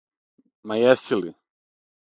Ма јеси ли?